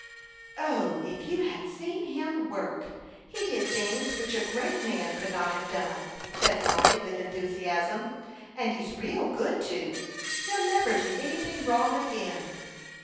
"O, if you had seen him work. He did things which a great man could not have done," said Mollie, with enthusiasm. "And he's real good, too. He'll never do anything wrong again."